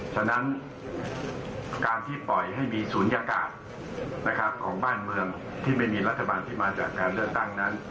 ฉะนั้นการที่ปล่อยให้มีศูนยากาศของบ้านเมืองที่ไม่มีรัฐบาลที่มาจากการเลือกตั้งนั้น